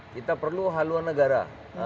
kita perlu haluan negara